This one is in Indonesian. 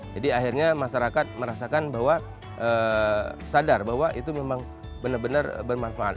jadi akhirnya masyarakat merasakan bahwa sadar bahwa itu memang benar benar bermanfaat